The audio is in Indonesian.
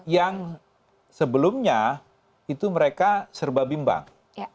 yang sebelumnya itu mereka serba bimbang